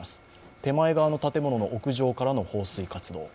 手前側の建物の屋上からの放水活動。